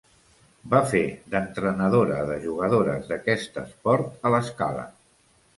Va fer d'entrenadora de jugadores d'aquest esport a l'Escala.